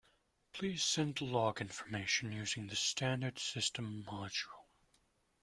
Please send log information using the standard system module.